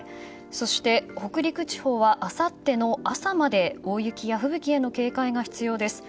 そして北陸地方はあさっての朝まで大雪や吹雪への警戒が必要です。